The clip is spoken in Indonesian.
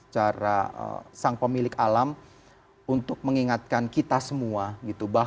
cara sang pemilik alam untuk mengingatkan kita semua gitu